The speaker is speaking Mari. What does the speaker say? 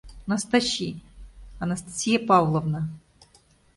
Настачи, Анастасия Павловна...